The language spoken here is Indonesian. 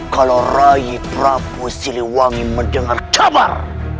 kalau rai prapu siliwangi mendengar kabar